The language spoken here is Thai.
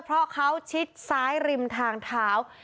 เพราะเขาชิดซ้ายริมทางเท้า